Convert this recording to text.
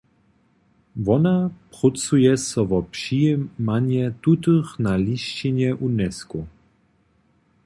Wona prócuje so wo přijimanje tutych na lisćinje Unesco.